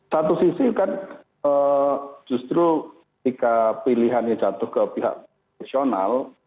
satu sisi kan justru ketika pilihannya jatuh ke pihak profesional